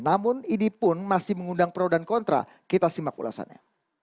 namun ini pun masih mengundang pro dan kontra kita simak ulasannya